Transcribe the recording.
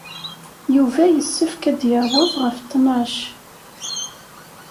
Yuba yessefk ad d-yaweḍ ɣef ttnac.